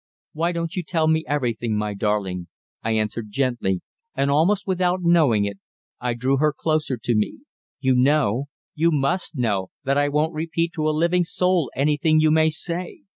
"Why don't you tell me everything, my darling?" I answered gently, and, almost without my knowing it, I drew her closer to me. "You know you must know, that I won't repeat to a living soul anything you may say."